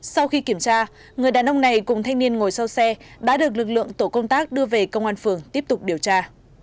sau khi kiểm tra người đàn ông này cùng thanh niên ngồi sau xe đã được lực lượng tổ công tác đưa về công an phường tiếp tục điều tra